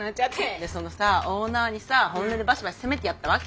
でそのオーナーにさ本音でバシバシ攻めてやったわけよ。